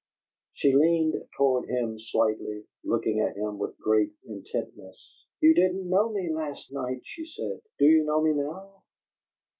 She leaned toward him slightly, looking at him with great intentness. "You didn't know me last night," she said. "Do you know me now?"